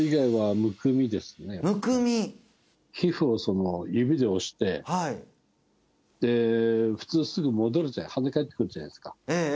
皮膚を指で押してで普通すぐ跳ね返ってくるじゃないですかええええ